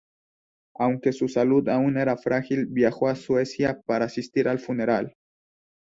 Aunque su salud aún era frágil, viajó a Suecia para asistir al funeral.